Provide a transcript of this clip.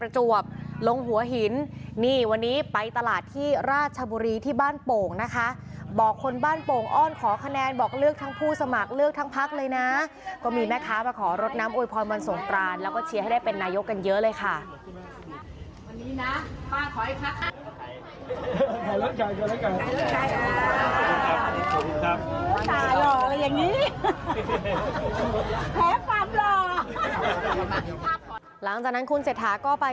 หัวหินนี่วันนี้ไปตลาดที่ราชบุรีที่บ้านโป่งนะคะบอกคนบ้านโป่งอ้อนขอคะแนนบอกเลือกทั้งผู้สมัครเลือกทั้งพักเลยนะก็มีแม่ค้ามาขอรดน้ำโวยพรวันสงกรานแล้วก็เชียร์ให้ได้เป็นนายกกันเยอะเลยค่ะ